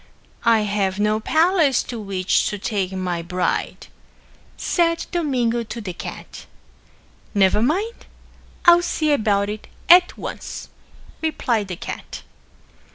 "I have no palace to which to take my bride," said Domingo to the cat. "Never mind. I'll see about it at once," replied the cat.